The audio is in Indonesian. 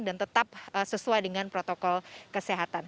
dan tetap sesuai dengan protokol kesehatan